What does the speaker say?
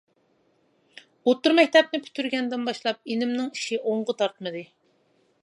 ئوتتۇرا مەكتەپنى پۈتتۈرگەندىن باشلاپ ئىنىمنىڭ ئىشى ئوڭغا تارتمىدى.